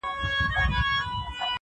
زما وجود مي خپل جانان ته نظرانه دی,